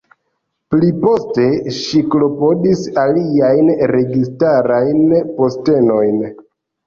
Pliposte, ŝi klopodis aliajn registarajn postenojn.